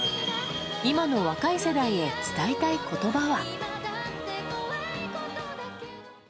今の若い世代へ伝えたい言葉は。